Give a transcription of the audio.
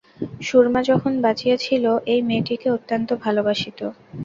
সুরমা যখন বাঁচিয়াছিল, এই মেয়েটিকে অত্যন্ত ভালবাসিত।